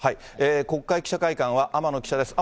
国会記者会館は天野記者です。